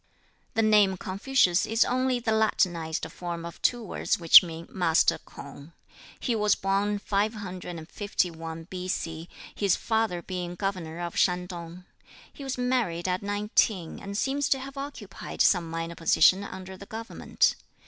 The name Confucius is only the Latinized form of two words which mean "Master K'ung." He was born 551 B.C., his father being governor of Shantung. He was married at nineteen, and seems to have occupied some minor position under the government.